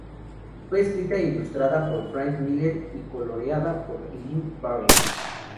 Fue escrita e ilustrada por Frank Miller y coloreada por Lynn Varley.